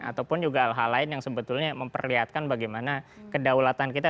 ataupun juga hal hal lain yang sebetulnya memperlihatkan bagaimana kedaulatan kita